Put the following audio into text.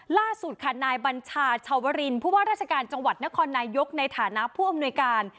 ล่าสุดค่ะนายบัญชาชาวรินผู้ว่าราชการจังหวัดนครนายกในฐานะผู้อำนวยการ